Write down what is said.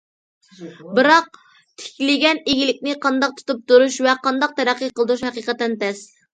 بىراق تىكلىگەن ئىگىلىكنى قانداق تۇتۇپ تۇرۇش ۋە قانداق تەرەققىي قىلدۇرۇش ھەقىقەتەن تەس.